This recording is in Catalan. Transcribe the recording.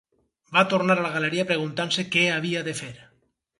Va tornar a la galeria preguntant-se què havia de fer.